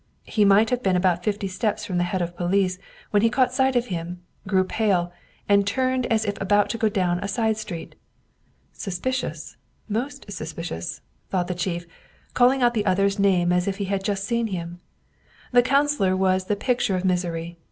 He might have been about fifty steps from the head of police when he caught sight of him, grew pale, and turned as if about to go down a side street. " Suspicious, most suspicious !" thought the chief, calling out the other's name as if he had just seen him. The councilor was the picture of misery.